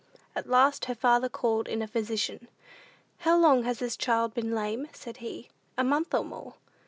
At last her father called in a physician. "How long has this child been lame?" said he. "A month or more."